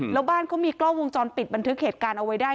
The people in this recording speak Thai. แล้วบ้านเขามีกล้องวงจรปิดบันทึกเหตุการณ์เอาไว้ได้